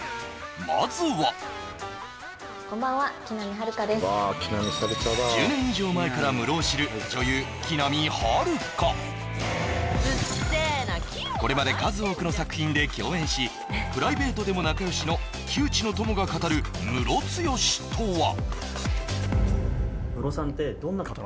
まずはこんばんはこれまで数多くの作品で共演しプライベートでも仲良しの旧知の友が語るムロツヨシとは？